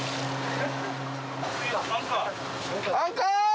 アンカー！